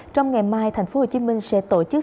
trong ngày mai tp hcm sẽ tổ chức